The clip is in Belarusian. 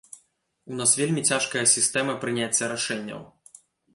У нас вельмі цяжкая сістэма прыняцца рашэнняў.